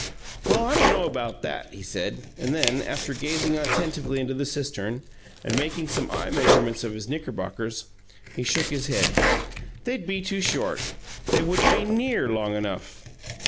"Well, I don't know 'bout that," he said, and then, after gazing attentively into the cistern and making some eye measurements of his knickerbockers, he shook his head. "They'd be too short. They wouldn't be NEAR long enough!"